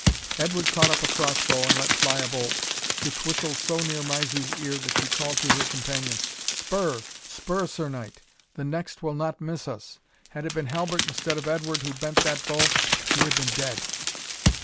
Edward caught up a cross bow, and let fly a bolt, which whistled so near Mysie's ear, that she called to her companion, "Spur spur, Sir Knight! the next will not miss us. Had it been Halbert instead of Edward who bent that bow, we had been dead."